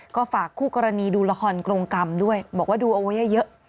ก็ฝากคู่กรณีดูละครกรงกรรมด้วยบอกว่าดูเอาไว้เยอะ